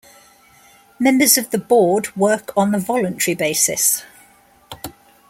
Members of the Board work on the voluntary basis.